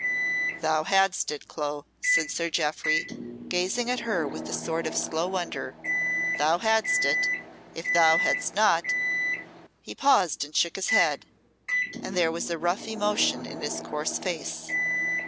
"Thou hadst it, Clo," said Sir Jeoffry, gazing at her with a sort of slow wonder. "Thou hadst it. If thou hadst not !" He paused, and shook his head, and there was a rough emotion in his coarse face.